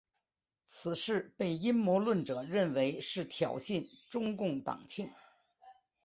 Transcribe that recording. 此事被阴谋论者认为是挑衅中共党庆。